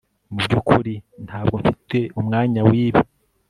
Mu byukuri ntabwo mfite umwanya wibi